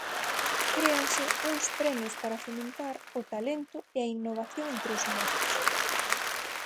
Créanse uns premios para fomentar o talento e a innovación entre os mozos.